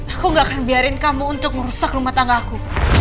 aku gak akan biarin kamu untuk merusak rumah tangga aku